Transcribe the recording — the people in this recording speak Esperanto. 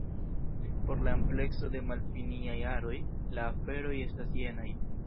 Por la amplekso de malfiniaj aroj, la aferoj estas jenaj.